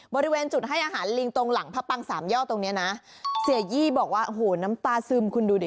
บริเวณจุดให้อาหารลิงตรงหลังพระปังสามย่อตรงเนี้ยนะเสียยี่บอกว่าโอ้โหน้ำตาซึมคุณดูดิ